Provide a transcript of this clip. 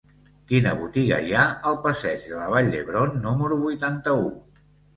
Quina botiga hi ha al passeig de la Vall d'Hebron número vuitanta-u?